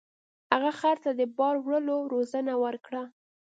هغه خر ته د بار وړلو روزنه ورکړه.